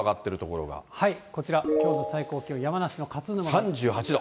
こちら、きょうの最高気温、山梨の勝沼で。